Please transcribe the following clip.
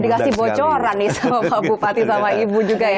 dikasih bocoran nih sama pak bupati sama ibu juga ya